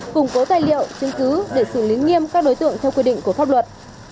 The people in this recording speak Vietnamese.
củng cố tài liệu chứng cứ để xử lý nghiêm các đối tượng theo quy định của pháp luật